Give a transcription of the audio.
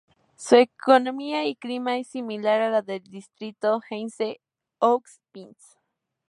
Su economía y clima es similar a la del distrito Anse aux Pins.